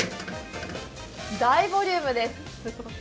大ボリュームです。